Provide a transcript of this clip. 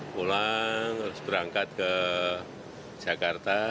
pulang terus berangkat ke jakarta